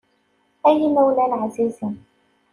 Ay imawlan εzizen.